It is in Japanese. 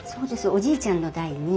おじいちゃんの代に。